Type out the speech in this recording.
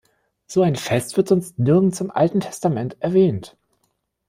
So ein Fest wird sonst nirgends im Alten Testament erwähnt.